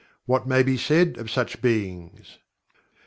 What may be said of such Beings?